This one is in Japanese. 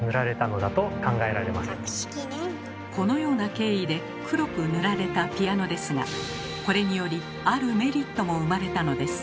このような経緯で黒く塗られたピアノですがこれによりあるメリットも生まれたのです。